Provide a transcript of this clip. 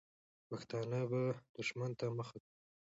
پښتانه به دښمن ته مخه کوي.